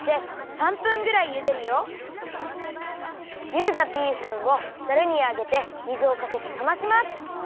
ゆでたビーフンをザルにあげて水をかけてさまします。